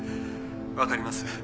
分かります。